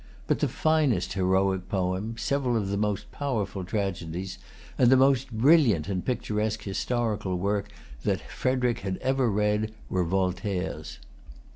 But the finest heroic poem, several of the most powerful tragedies, and the most brilliant and picturesque historical work that Frederic had ever read were Voltaire's.